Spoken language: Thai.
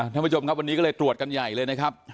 ท่านผู้ชมครับวันนี้ก็เลยตรวจกันใหญ่เลยนะครับ